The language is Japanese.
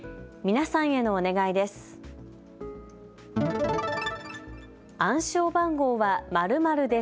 皆さんへのお願いです。